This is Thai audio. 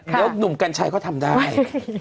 เดี๋ยวหนุ่มกันชายเขาทำได้